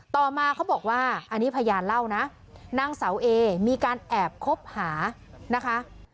ต่อมาเขาบอกว่าอันนี้พยานเล่านะนางเสาเอมีการแอบคบหานะคะ